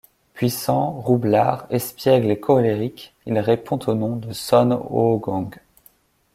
Puissant, roublard, espiègle et colérique, il répond au nom de Son Oh-Gong.